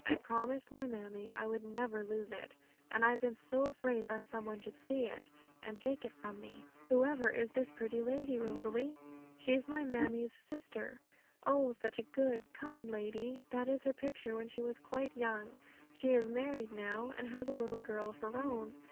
'I promised my mammie I would never lose it; and I've been so afraid lest some one should see it, and take it from me.' 'Whoever is this pretty little lady, Rosalie?' 'She's my mammie's sister. Oh, such a good, kind lady! That is her picture when she was quite young: she is married now, and has a little girl of her own.